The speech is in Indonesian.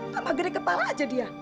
tak mageri kepala aja dia